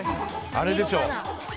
あれでしょ。